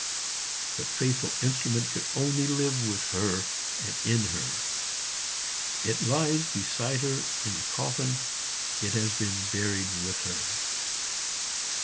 The faithful instrument could only live with her and in her; it lies beside her in the coffin, it has been buried with her."